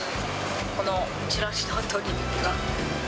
このチラシの鶏肉が。